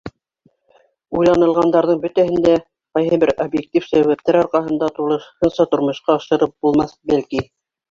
Уйланылғандарҙың бөтәһен дә ҡайһы бер объектив сәбәптәр арҡаһында тулыһынса тормошҡа ашырып булмаҫ, бәлки.